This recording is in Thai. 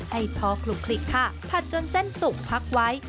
ให้พอคลุกค่ะผัดจนเส้นสุกพักไว้